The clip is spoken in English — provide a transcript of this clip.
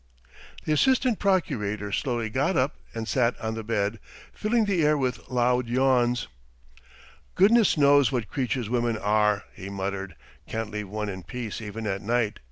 The assistant procurator slowly got up and sat on the bed, filling the air with loud yawns. "Goodness knows what creatures women are!" he muttered. "Can't leave one in peace even at night!